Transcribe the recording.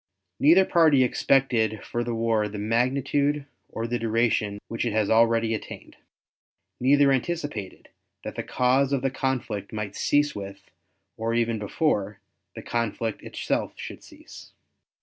Neither party expected for the war the magnitude or the duration which it has already attained. Neither anticipated that the cause of the conflict might cease with, or even before, the conflict itself should cease.